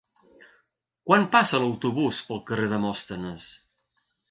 Quan passa l'autobús pel carrer Demòstenes?